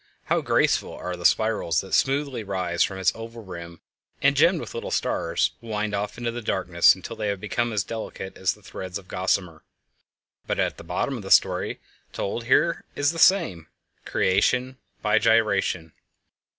How graceful are the spirals that smoothly rise from its oval rim and, gemmed with little stars, wind off into the darkness until they have become as delicate as threads of gossamer! But at bottom the story told here is the same—creation by gyration!